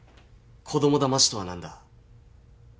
子供だましとは何だ。